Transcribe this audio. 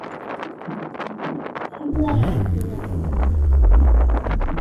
豪斯费尔德出生并生长在诺丁汉附近的一个小村庄。